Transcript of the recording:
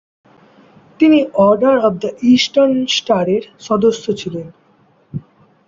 তিনি order of the eastern স্টারের সদস্য ছিলেন।